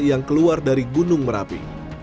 yang keluar dari gunung merapi